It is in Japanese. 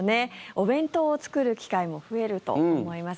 お弁当を作る機会も増えると思います。